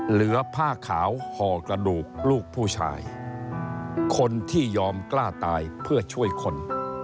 เหลือผ้าขาวห่อกระดูกลูกผู้ชายคนที่ยอมกล้าตายเพื่อช่วยคน